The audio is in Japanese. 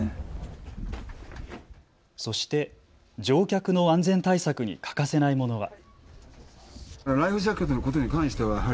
そして乗客の安全対策に欠かせないものは。